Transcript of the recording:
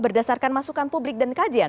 berdasarkan masukan publik dan kajian